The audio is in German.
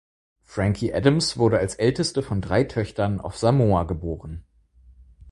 Frankie Adams wurde als älteste von drei Töchtern auf Samoa geboren.